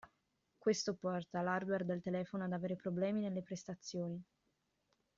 Questo porta l'hardware del telefono ad avere problemi nelle prestazioni.